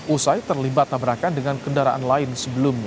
usai terlibat tabrakan dengan kendaraan lain sebelumnya